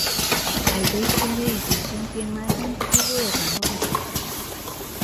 Tal vez sea el edificio en pie más antiguo de Ramos Mejía.